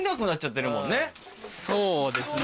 そうですね。